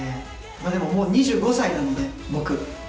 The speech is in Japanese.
でも、もう２５歳なので、僕。